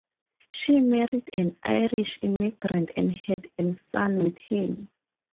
She married an Irish immigrant and had a son with him.